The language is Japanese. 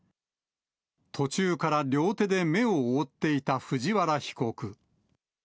途中から両手で目を覆っていた藤原被告。